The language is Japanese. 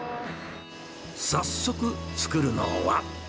早速、作るのは。